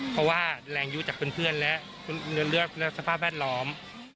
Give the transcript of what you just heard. เพราะว่าแรงยุจากเพื่อนและสภาพแวดล้อม